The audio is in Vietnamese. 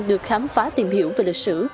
được khám phá tìm hiểu về lịch sử